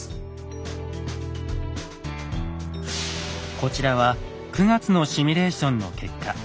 こちらは９月のシミュレーションの結果。